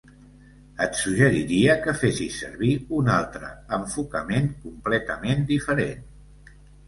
Et suggeriria que fessis servir un altre enfocament completament diferent.